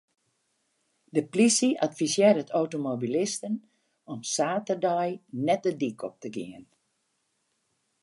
De plysje advisearret automobilisten om saterdei net de dyk op te gean.